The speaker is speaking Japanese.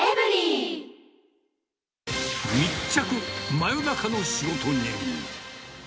真夜中の仕事人。